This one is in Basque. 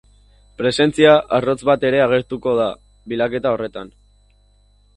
Presentzia arrotz bat ere agertuko da bilaketa horretan.